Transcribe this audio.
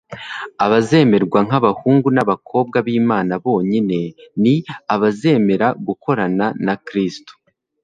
Abazemerwa nk'abahungu n'abakobwa b'Imana bonyine ni abazemera gukorana na Kristo,